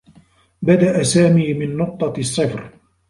بدأ سامي من نقطة الصّفر.